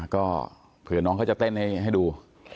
ก็เผื่อน้องเขาจะเต้นให้ดู